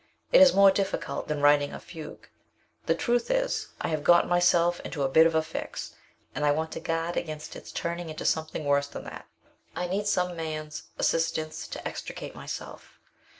It is more difficult than writing a fugue. The truth is I have gotten myself into a bit of a fix and I want to guard against its turning into something worse than that. I need some man's assistance to extricate myself."